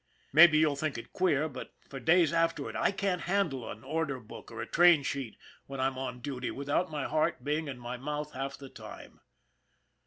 Maybe you'll think it queer, but for days afterward I can't handle an order book or a train sheet when I'm on duty without my heart being in my mouth half the time.